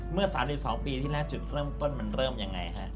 เมื่อ๓๒ปีที่แล้วจุดเริ่มต้นมันเริ่มยังไงฮะ